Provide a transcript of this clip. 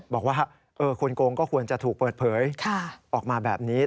บอกว่าคนโกงก็ควรจะถูกเปิดเผยออกมาแบบนี้